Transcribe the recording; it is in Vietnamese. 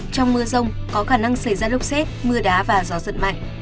trong mưa rông có khả năng xảy ra lốc xét mưa đá và gió giật mạnh